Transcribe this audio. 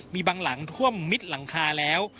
มีบางหลังท่วมมิดหลังคาแล้ว